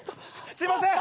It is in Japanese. すいません！